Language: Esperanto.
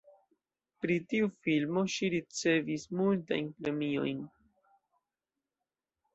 Pri tiu filmo ŝi ricevis multajn premiojn.